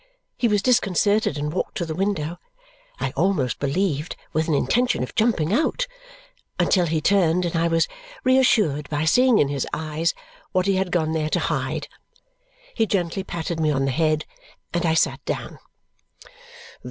He was disconcerted and walked to the window; I almost believed with an intention of jumping out, until he turned and I was reassured by seeing in his eyes what he had gone there to hide. He gently patted me on the head, and I sat down.